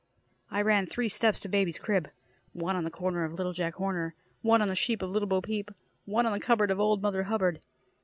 I ran three steps to baby's crib ... one on the corner of Little Jack Horner, one on the sheep of Little Bo Peep, one on the cupboard of Old Mother Hubbard.